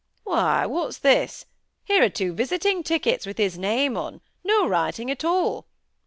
"Why! what's this? Here are two visiting tickets with his name on, no writing at all.